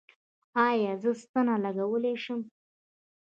ایا زه ستنه لګولی شم؟